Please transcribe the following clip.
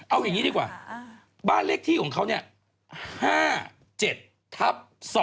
เอาอย่างนี้ดีกว่าบ้านเลขที่ของเขาเนี่ย๕๗ทับ๒